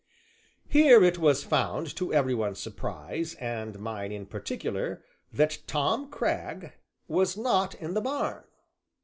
Here it was found to every one's surprise, and mine in particular, that Tom Cragg was not in the barn.